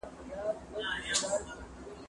ايا ته ليکلي پاڼي ترتيب کوې